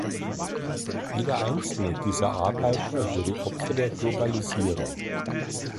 Jeder einzelne dieser Arbeiter wurde Opfer der Globalisierung.